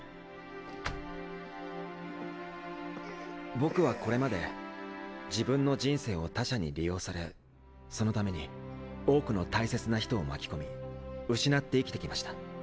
僕はこれまで自分の人生を他者に利用されそのために多くの大切な人を巻き込み失って生きてきました。